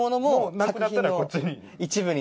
なくなったらこっちに。